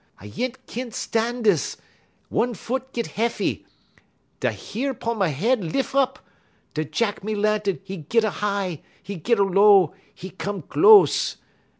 I yent kin stan' dis; one foot git heffy, da' heer 'pon me head lif' up. Da' Jack me Lantun, 'e git a high, 'e git a low, 'e come close.